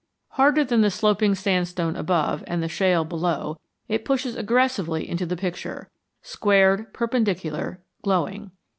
Harder than the sloping sandstone above and the shale below, it pushes aggressively into the picture, squared, perpendicular, glowing.